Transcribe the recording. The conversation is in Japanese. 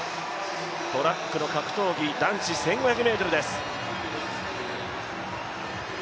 トラックの格闘技、男子１５００ｍです。